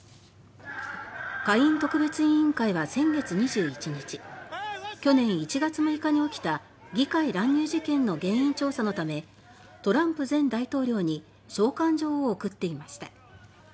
下院特別委員会は先月２１日去年１月６日に起きた議会乱入事件の原因調査のためトランプ前大統領に召喚状を送っていました。